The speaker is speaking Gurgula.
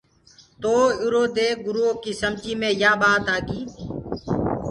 تو اُرو دي گُريو ڪي سمجي مي يآ ٻآت آگي۔